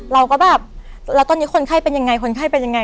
เราก็แบบแล้วตอนนี้คนไข้เป็นยังไงคนไข้เป็นยังไง